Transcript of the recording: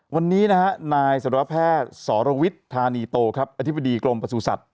วันนี้นะฮะนายสัตวแพทย์สรวิทย์ธานีโตครับอธิบดีกรมประสูจนสัตว